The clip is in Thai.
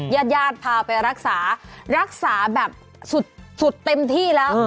ญาติญาติพาไปรักษารักษาแบบสุดเต็มที่แล้ว